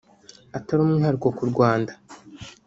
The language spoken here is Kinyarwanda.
atari umwihariko ku Rwanda